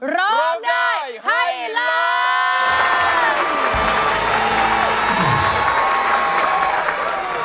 ร้องได้ให้ล้าน